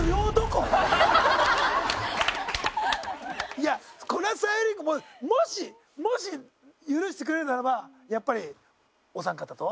いやこれはさゆりんごももしもし許してくれるならばやっぱりお三方と。